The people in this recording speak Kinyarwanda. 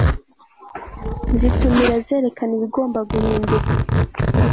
zitumira zerekana ibigomba guhinduka